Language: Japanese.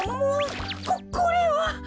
ここれは！